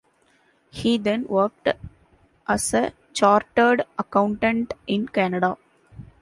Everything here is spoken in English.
He then worked as a chartered accountant in Canada.